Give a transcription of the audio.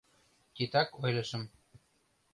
— Титак ойлышым...